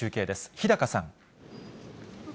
日高さん。